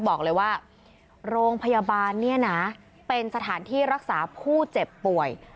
บอกเลยว่าโรงพยาบาลเนี่ยนะเป็นสถานที่รักษาผู้เจ็บป่วย